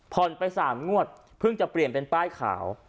พอนไปสั่งงวดเพิ่งจะเปลี่ยนเป็นป้ายข่าว